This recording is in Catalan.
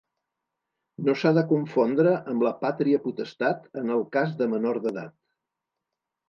No s'ha de confondre amb la pàtria potestat en el cas de menor d'edat.